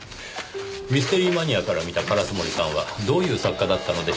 ミステリーマニアから見た烏森さんはどういう作家だったのでしょう？